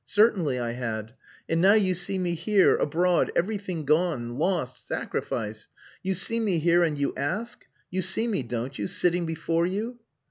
Certainly! I had. And now you see me here, abroad, everything gone, lost, sacrificed. You see me here and you ask! You see me, don't you? sitting before you."